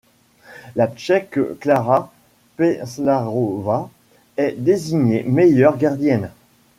La Tchèque Klára Peslarová est désignée meilleure gardienne.